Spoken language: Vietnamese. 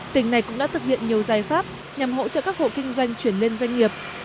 tỉnh này cũng đã thực hiện nhiều giải pháp nhằm hỗ trợ các hộ kinh doanh chuyển lên doanh nghiệp